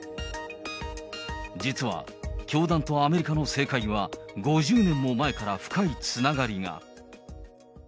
実は教団とアメリカの政界は、５０年も前から深いつながりが。